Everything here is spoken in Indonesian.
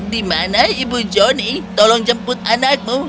dimana ibu joni tolong jemput anakmu